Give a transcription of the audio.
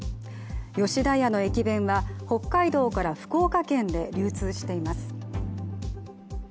吉田屋の駅弁は北海道から福岡県で流通しています。